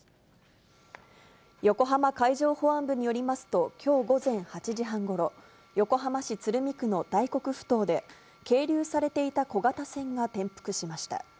横浜海上保安部によりますと、きょう午前８時半ごろ、横浜市鶴見区の大黒ふ頭で、係留されていた小型船が転覆しました。